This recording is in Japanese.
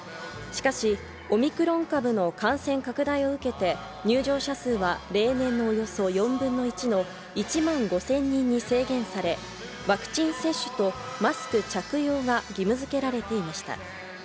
しかしオミクロン株の感染拡大を受けて入場者数は例年のおよそ４分の１の１万５０００人に制限され、ワクチン接種とマスク着用が義務づけられていました。